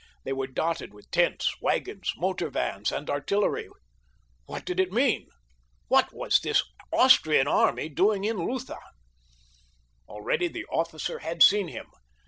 They were dotted with tents, wagons, motor vans and artillery. What did it mean? What was this Austrian army doing in Lutha? Already the officer had seen him.